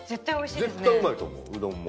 絶対うまいと思ううどんも。